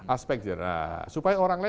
aspek jerah supaya orang lain